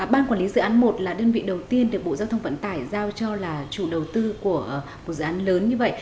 ban quản lý dự án một là đơn vị đầu tiên được bộ giao thông vận tải giao cho là chủ đầu tư của một dự án lớn như vậy